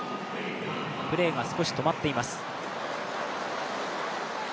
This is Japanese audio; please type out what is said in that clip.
プレーが少し止まっています。